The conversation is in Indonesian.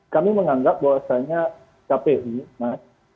kami menganggap bahwasannya kpu mas